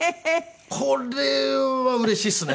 これはうれしいですね！